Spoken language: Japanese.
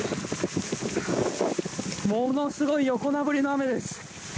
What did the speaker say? ものすごい横殴りの雨です。